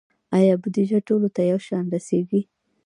آیا بودیجه ټولو ته یو شان رسیږي؟